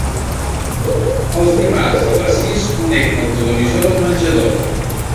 Els dimarts a les sis connecta el televisor del menjador.